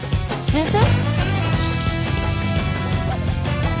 先生！